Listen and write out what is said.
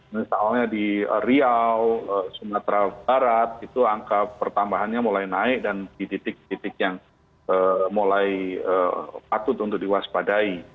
misalnya di riau sumatera barat itu angka pertambahannya mulai naik dan di titik titik yang mulai patut untuk diwaspadai